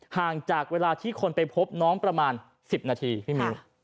ห่างจากเวลาที่คนไปพบน้องประมาณ๑๐นาทีพี่มิ้ว